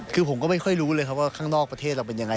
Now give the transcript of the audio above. คือผมก็ไม่ค่อยรู้เลยครับว่าข้างนอกประเทศเราเป็นยังไง